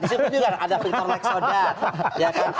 disitu juga ada victor lek sodat